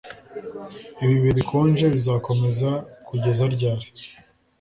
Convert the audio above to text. Ibi bihe bikonje bizakomeza kugeza ryari